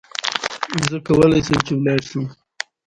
ازادي راډیو د د تګ راتګ ازادي په اړه د مسؤلینو نظرونه اخیستي.